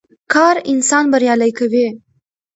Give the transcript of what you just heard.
کار انسان بريالی کوي.